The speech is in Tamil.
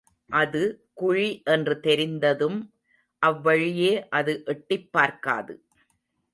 அது குழி என்று தெரிந்ததும் அவ்வழியே அது எட்டிப்பார்க்காது.